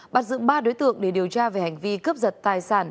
bắt giữ ba đối tượng để điều tra về hành vi cướp giật tài sản